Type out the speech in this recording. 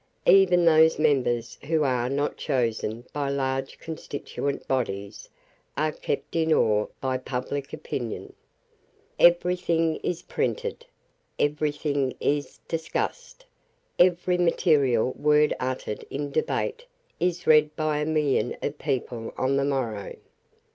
Even those members who are not chosen by large constituent bodies are kept in awe by public opinion. Every thing is printed; every thing is discussed; every material word uttered in debate is read by a million of people on the morrow.